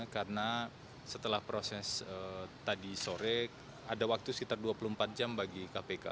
karena setelah proses tadi sore ada waktu sekitar dua puluh empat jam bagi kpk